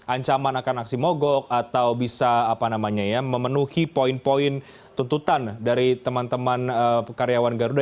ancaman akan aksi mogok atau bisa memenuhi poin poin tuntutan dari teman teman karyawan garuda